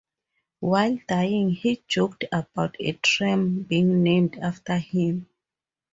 While dying, he joked about a tram being named after him.